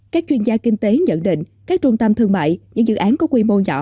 các chuyên gia kinh tế nhận định các trung tâm thương mại những dự án có quy mô nhỏ